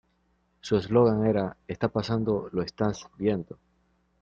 Su eslogan era: "Está pasando, lo estás viendo".